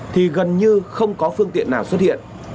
thì gần như không có phương tiện nào xuất hiện